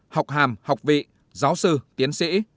học hàm học vị giáo sư tiến sĩ